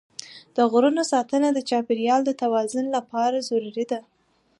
د غرونو ساتنه د چاپېریال د توازن لپاره ضروري ده.